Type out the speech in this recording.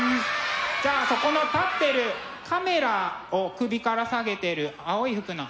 じゃあそこの立ってるカメラを首から提げてる青い服の。